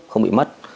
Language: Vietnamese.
không bị mất